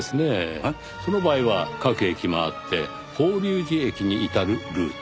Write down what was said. その場合は各駅回って法隆寺駅に至るルート。